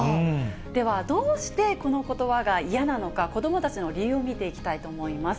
ではどうしてこのことばが嫌なのか、子どもたちの理由を見ていきたいと思います。